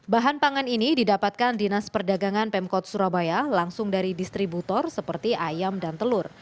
bahan pangan ini didapatkan dinas perdagangan pemkot surabaya langsung dari distributor seperti ayam dan telur